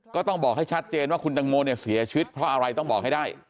ก็ต้องบอกให้ชัดเจนว่าคุณตังโมเนี่ยเสียชีวิตเพราะอะไรต้องบอกให้ได้